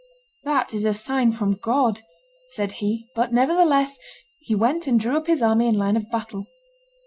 "That is a sign from God!" said he; but, nevertheless, he went and drew up his army in line of battle.